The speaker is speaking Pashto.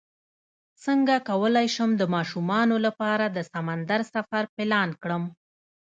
څنګه کولی شم د ماشومانو لپاره د سمندر سفر پلان کړم